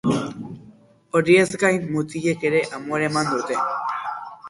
Horiez gain, mutilek ere amore eman dute.